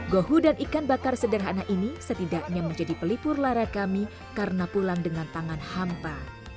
gohu dan ikan bakar sederhana ini setidaknya menjadi pelipur lara kami karena pulang dengan tangan hampa